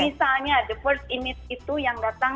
misalnya the first image itu yang datang